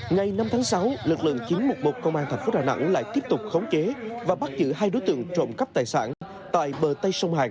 ngày năm tháng sáu lực lượng chín trăm một mươi một công an thành phố đà nẵng lại tiếp tục khống chế và bắt giữ hai đối tượng trộm cắp tài sản tại bờ tây sông hàn